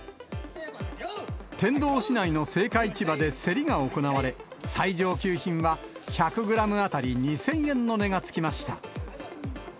天童市内の青果市場で競りが行われ、最上級品は１００グラム当たり２０００円の値がつきました。